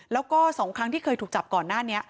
แล้วก็๒ครั้งที่เคยถูกจับก่อนหน้านี้